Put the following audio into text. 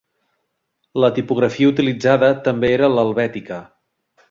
La tipografia utilitzada també era l'helvètica.